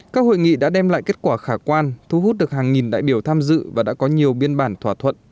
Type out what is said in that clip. các hội nghị đã đem lại kết quả khả quan thu hút được hàng nghìn đại biểu tham dự và đã có nhiều biên bản thỏa thuận